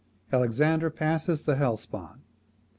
Alexander passes the Hellespont.